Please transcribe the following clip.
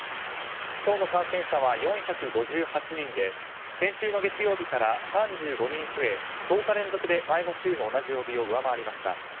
今日の感染者は４５８人で先週の月曜日から３５人増え、１０日連続で前の週の同じ曜日を上回りました。